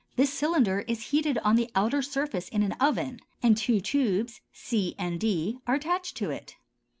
This cylinder is heated on the outer surface in an oven, and two tubes, c and d, are attached to it.